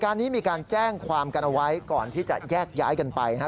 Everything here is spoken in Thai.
การนี้มีการแจ้งความกันเอาไว้ก่อนที่จะแยกย้ายกันไปนะครับ